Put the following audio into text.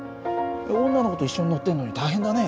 女の子と一緒に乗ってるのに大変だね。